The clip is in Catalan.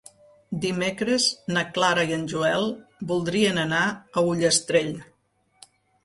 Dimecres na Clara i en Joel voldrien anar a Ullastrell.